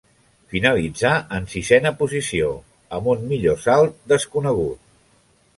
Finalitzà en sisena posició, amb un millor salt desconegut.